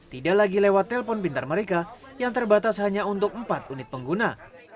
tidak lagi lewat telpon pintar mereka yang terbatas hanya untuk empat unit pengguna